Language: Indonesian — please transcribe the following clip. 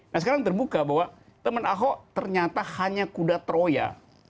nah sekarang terbuka bahwa teman ahok ternyata hanya kuda troya